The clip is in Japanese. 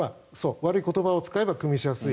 悪い言葉を使えばくみしやすい。